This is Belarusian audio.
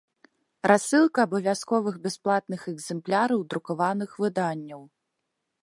Рассылка абавязковых бясплатных экзэмпляраў друкаваных выданняў